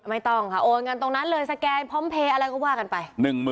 ไม่ต้องค่ะโอนกันตรงนั้นเลยสแกนพร้อมเพลย์อะไรก็ว่ากันไป